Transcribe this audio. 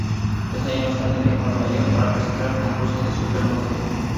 Dos años más tarde viajó a Nueva York para presentarse al concurso de Supermodelo.